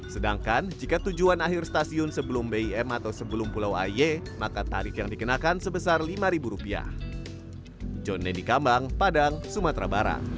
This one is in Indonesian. sedangkan jika tujuan akhir stasiun sebelum bim atau sebelum pulau aye maka tarif yang dikenakan sebesar rp lima